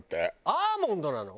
アーモンドなの？